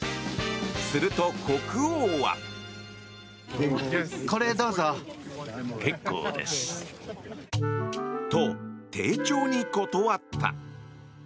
すると、国王は。と、丁重に断った。